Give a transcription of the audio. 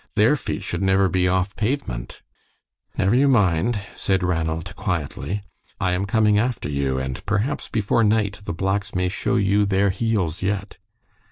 Their feet should never be off pavement." "Never you mind," said Ranald, quietly. "I am coming after you, and perhaps before night the blacks may show you their heels yet."